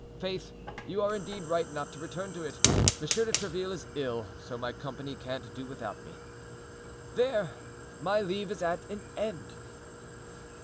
Faith, you are indeed right not to return to it. Monsieur de Tréville is ill, so my company can't do without me; there! my leave is at an end!"